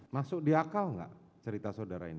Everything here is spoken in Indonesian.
masuk di akal nggak cerita saudara ini